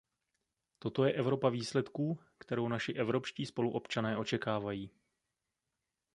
Toto je Evropa výsledků, kterou naši evropští spoluobčané očekávají.